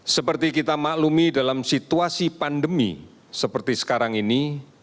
seperti kita maklumi dalam situasi pandemi seperti sekarang ini